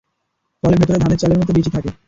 ফলের ভেতরে ধানের চালের মতো বিচি থাকে।